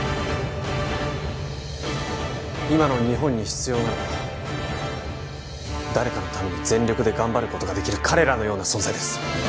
今の日本に必要なのは誰かのために全力で頑張ることができる彼らのような存在です